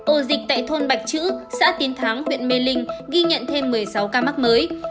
ổ dịch tại thôn bạch chữ xã tiến thắng huyện mê linh ghi nhận thêm một mươi sáu ca mắc mới